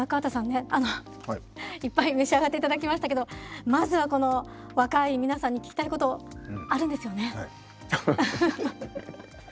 あのいっぱい召し上がっていただきましたけどまずはこの若い皆さんに聞きたいことあるんですよね。